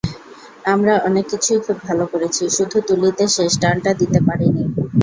আমরা অনেক কিছুই খুব ভালো করেছি, শুধু তুলিতে শেষ টানটা দিতে পারিনি।